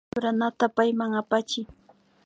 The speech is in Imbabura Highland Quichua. Churanata pallay apachiy